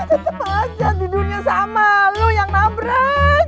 tetep aja di dunia sama lu yang nabrak